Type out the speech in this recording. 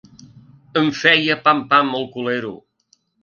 Em feia pam pam al culero.